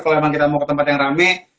kalau memang kita mau ke tempat yang rame